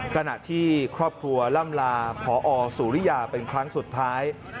ขณะที่ครอบครัวล่ำลาพอสุริยาเป็นครั้งสุดท้าย